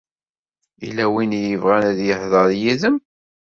Yella win i yebɣan ad ihḍeṛ yid-m.